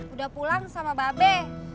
udah pulang sama babe